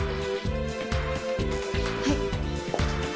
はい。